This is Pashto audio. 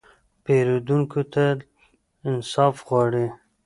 پیرودونکی تل انصاف غواړي.